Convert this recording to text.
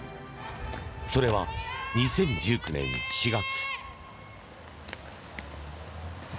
それは２０１９年４月。